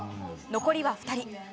残りは２人。